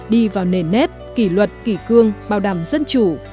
đi vào nền nếp kỷ luật kỷ cương bảo đảm dân chủ